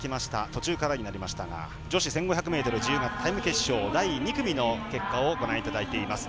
途中からになりましたが女子１５００ｍ自由形タイム決勝第２組の結果をご覧いただいています。